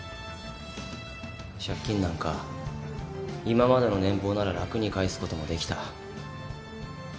借金なんか今までの年俸なら楽に返すこともできた。